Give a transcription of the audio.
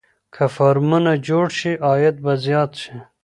که فارمونه جوړ شي عاید به زیات شي.